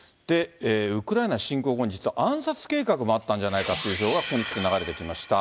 ウクライナ侵攻後に実は暗殺計画もあったんじゃないかっていう情報が流れてきました。